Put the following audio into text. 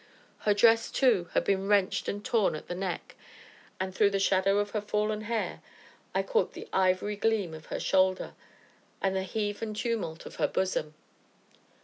Her dress, too, had been wrenched and torn at the neck, and, through the shadow of her fallen hair, I caught the ivory gleam of her shoulder, and the heave and tumult of her bosom.